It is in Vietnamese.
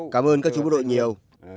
cảm ơn các chú bộ đội nhiều